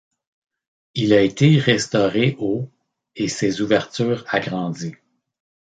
Il a été restauré au et ses ouvertures agrandies.